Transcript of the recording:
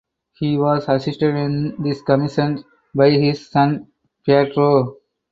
He was assisted in this commission by his son Pietro.